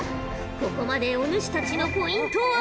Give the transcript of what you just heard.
ここまでお主たちのポイントは。